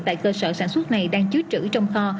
tại cơ sở sản xuất này đang chứa trữ trong kho